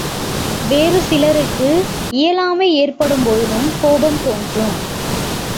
வேறு சிலருக்கு இயலாமை ஏற்படும் பொழுதும் கோபம் தோன்றும்.